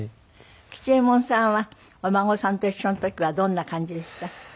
吉右衛門さんはお孫さんと一緒の時はどんな感じでした？